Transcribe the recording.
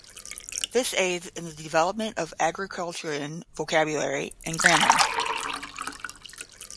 This aids in the development of articulation, vocabulary, and grammar.